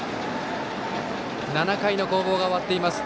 ７回の攻防が終わっています。